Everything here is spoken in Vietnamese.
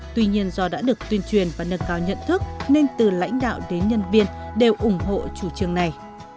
tuy nhiên do đã được tuyên truyền và nâng cao nhận thức nên từ lãnh đạo đến nhân viên đều ủng hộ chủ trương này